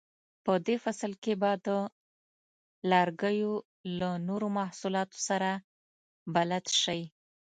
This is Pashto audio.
په دې فصل کې به د لرګیو له نورو محصولاتو سره بلد شئ.